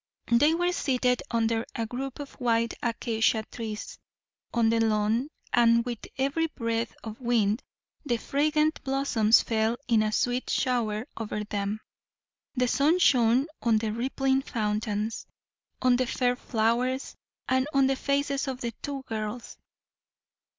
They were seated under a group of white acacia trees on the lawn, and with every breath of wind the fragrant blossoms fell in a sweet shower over them; the sun shone on the rippling fountains, on the fair flowers, and on the faces of the two girls.